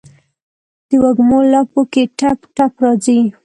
دوږمو لپو کې ټپ، ټپ راځي